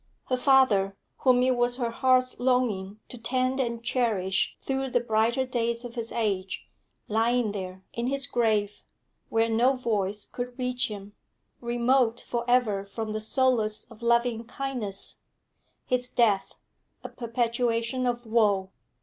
Her father, whom it was her heart's longing to tend and cherish through the brighter days of his age lying there in his grave, where no voice could reach him, remote for ever from the solace of loving kindness, his death a perpetuation of woe.